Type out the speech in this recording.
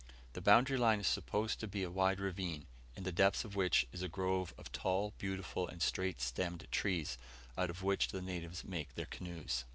The boundary line is supposed to be a wide ravine, in the depths of which is a grove of tall, beautiful, and straight stemmed trees, out of which the natives make their canoes.